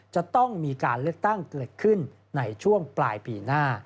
จะต้องมีการเลือกตั้งเกิดขึ้นในช่วงปลายปีหน้า